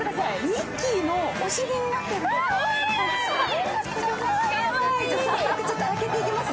ミッキーのお尻になっているんです。